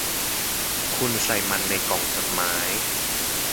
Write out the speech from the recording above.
คุณใส่มันในกล่องจดหมาย